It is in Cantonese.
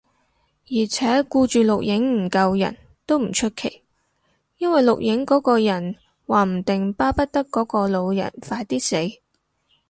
而且，顧住錄影唔救人，都唔出奇，因為錄影嗰個人話唔定巴不得嗰個老人快啲死